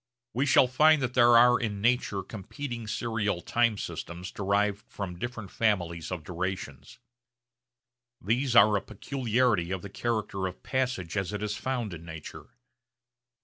We shall find that there are in nature competing serial time systems derived from different families of durations. These are a peculiarity of the character of passage as it is found in nature.